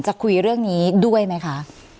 คุยเรื่องนี้ด้วยไหมคะ